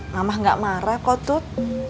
mamah gak marah kok tuh